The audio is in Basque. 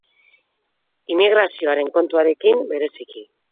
Immigrazioaren kontuarekin, bereziki.